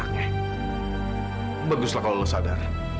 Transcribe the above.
kalau lo sadar